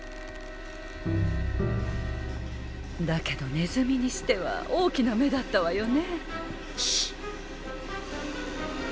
だけどネズミにしては大きな目だったわよね。